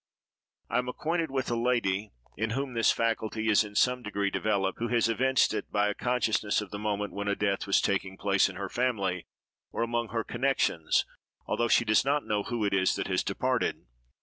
I am acquainted with a lady, in whom this faculty is in some degree developed, who has evinced it by a consciousness of the moment when a death was taking place in her family, or among her connections, although she does not know who it is that has departed.